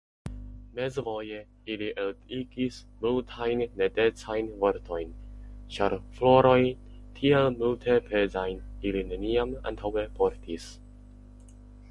Mezvoje ili eligis multajn nedecajn vortojn, ĉar florojn tiel multepezajn ili neniam antaŭe portis.